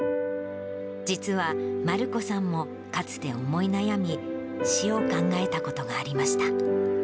実は団姫さんも、かつて思い悩み、死を考えたことがありました。